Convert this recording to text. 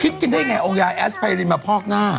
คิดกันได้ไงเอายายแอสไพรินมาพอกหน้า